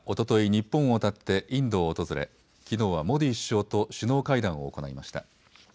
日本をたってインドを訪れ、きのうはモディ首相と首脳会談を行いました。